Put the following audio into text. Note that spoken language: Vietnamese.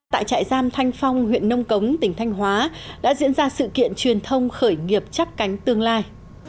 tại trại giam thanh phong huyện nông cống tỉnh thanh hóa đã diễn ra sự kiện truyền thông khởi nghiệp chắp cánh tương lai